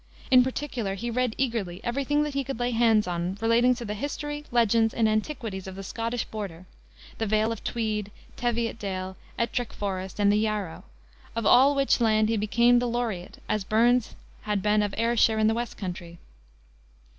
In particular he read eagerly every thing that he could lay hands on relating to the history, legends, and antiquities of the Scottish border the vale of Tweed, Teviotdale, Ettrick Forest, and the Yarrow, of all which land he became the laureate, as Burns had been of Ayrshire and the "West Country."